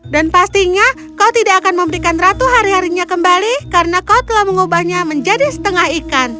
dan pastinya kau tidak akan memberikan ratu hari harinya kembali karena kau telah mengubahnya menjadi setengah ikan